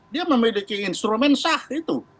dia memiliki instrumen sah itu